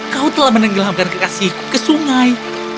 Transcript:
kau telah menenggelamkan kekasihku ke sungai